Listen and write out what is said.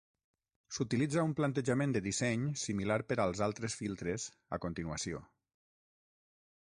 S'utilitza un plantejament de disseny similar per als altres filtres a continuació.